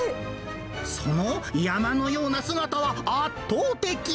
その山のような姿は圧倒的。